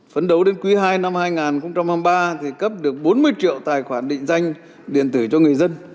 phấn đấu đến quý ii năm hai nghìn hai mươi ba thì cấp được bốn mươi triệu tài khoản định danh điện tử cho người dân